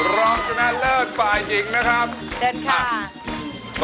ร้องชนะเลิศฝ่ายหญิงนะครับ